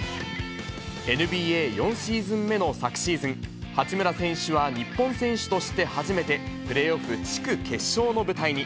ＮＢＡ４シーズン目の昨シーズン、八村選手は日本選手として初めて、プレーオフ・地区決勝の舞台に。